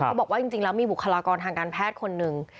เขาบอกว่าจริงแล้วมีบุคลากรทางการแพทย์คนหนึ่ง